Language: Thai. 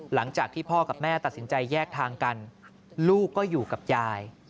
หลังจากที่พ่อกับแม่ตัดสินใจแยกทางกันลูกก็อยู่กับยาย